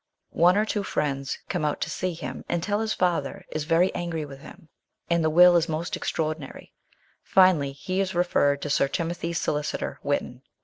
One or two friends come out to see him, and tell him his father is very angry with him, and the will is most extraordinary ; finally he is referred to Sir Timothy's solicitor Whitton.